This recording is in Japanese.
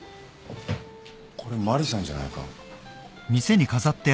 これマリさんじゃないか？